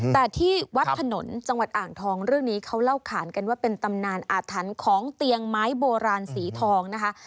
แต่ที่วัดถนนจังหวัดอ่างทองเรื่องนี้เขาเล่าขานกันว่าเป็นตำนานอาถรรพ์ของเตียงไม้โบราณสีทองนะคะ